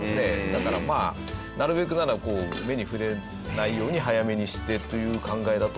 だからなるべくなら目に触れないように早めにしてという考えだと思うけど。